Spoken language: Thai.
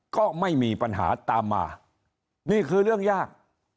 ก็ไม่มีปัญหาตามมานี่คือเรื่องยาก